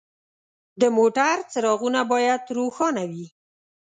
د موټر څراغونه باید روښانه وي.